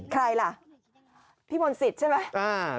ใครล่ะพี่มนต์สิทธิ์ใช่ไหม